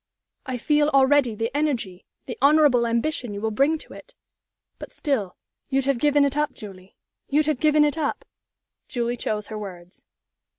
"I feel already the energy, the honorable ambition you will bring to it. But still, you'd have given it up, Julie? You'd have given it up?" Julie chose her words.